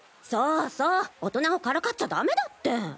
そうそう大人をからかっちゃダメだって。